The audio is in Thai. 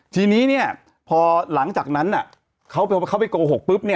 ทีนี้พอหลังจากนั้นเขาไปโกหกปุ๊บ